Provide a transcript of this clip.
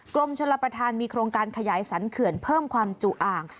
กรมชลประธานมีโครงการขยายสรรเขื่อนเพิ่มความจุอ่าง